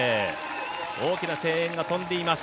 大きな声援が飛んでいます